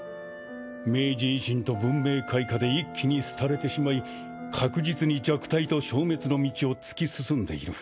明治維新と文明開化で一気に廃れてしまい確実に弱体と消滅の道を突き進んでいる。